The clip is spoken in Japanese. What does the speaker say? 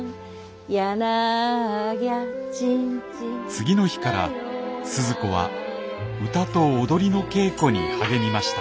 次の日から鈴子は歌と踊りの稽古に励みました。